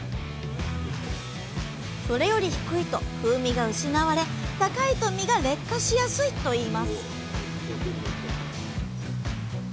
それより低いと風味が失われ高いと実が劣化しやすいといいます